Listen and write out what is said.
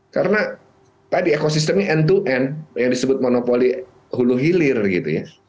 karena tadi ekosistemnya end to end yang disebut monopoli huluh hilir gitu ya